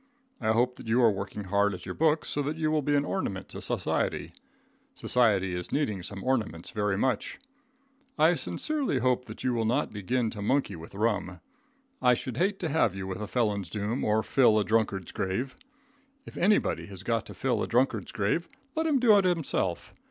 I hope that you are working hard at your books so that you will be an ornament to society. Society is needing some ornaments very much. I sincerely hope that you will not begin to monkey with rum. I should hate to have you with a felon's doom or fill a drunkard's grave. If anybody has got to fill a drunkard's grave, let him do it himself.